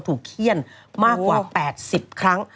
เขี้ยนมากกว่า๘๐ครั้ง